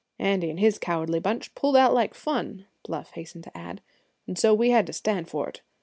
"Andy and his cowardly bunch pulled out like fun," Bluff hastened to add; "and so we had to stand for it.